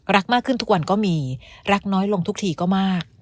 รักมากขึ้นทุกวันก็มีรักน้อยลงทุกทีก็มาก